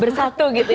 bersatu gitu ya